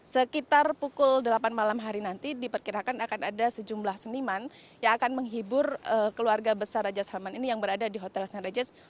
sekitar pukul delapan malam hari nanti diperkirakan akan ada sejumlah seniman yang akan menghibur keluarga besar raja salman ini yang berada di hotel st regis